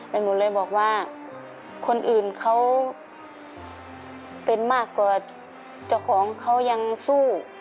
หมดเลยบอกว่าคนอื่นเขาเป็นมากกว่าเจ้าของเขายังสู้